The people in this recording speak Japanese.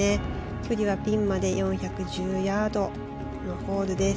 距離はピンまで４１０ヤードのホールです。